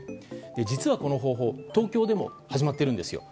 実は、この方法東京でも始まっているんです。